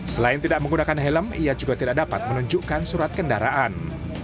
selain tidak menggunakan helm ia juga tidak dapat menunjukkan surat kendaraan